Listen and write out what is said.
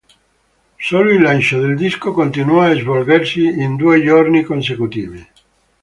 Solo il lancio del disco continua a svolgersi in due giorni consecutivi.